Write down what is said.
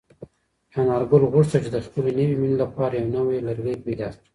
انارګل غوښتل چې د خپلې نوې مېنې لپاره یو نوی لرګی پیدا کړي.